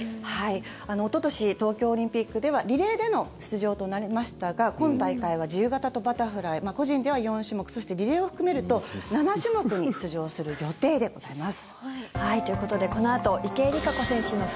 おととし東京オリンピックではリレーでの出場となりましたが今大会は自由形とバタフライ個人では４種目そして、リレーを含めると７種目に出場する予定でございます。